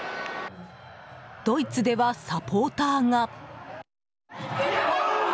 ドイツではサポーターが。